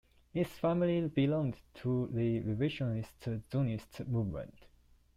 His family belonged to the Revisionist Zionist movement.